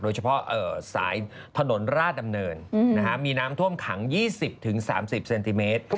โดยเฉพาะสายถนนราชดำเนินมีน้ำท่วมขัง๒๐๓๐เซนติเมตร